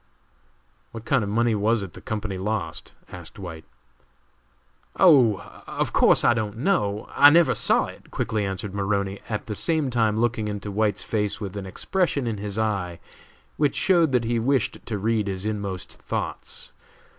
"What kind of money was it the company lost?" asked White. "Oh! of course I don't know; I never saw it!" quickly answered Maroney, at the same time looking into White's face with an expression in his eye which showed that he wished to read his inmost thoughts.